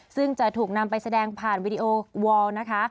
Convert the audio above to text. ซึ่งจะถูกนำไปแสดงผ่านวิดีโอวอลนะคะ